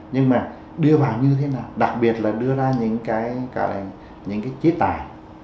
nhưng mà đưa vào như thế nào đặc biệt là đưa ra những cái chế tài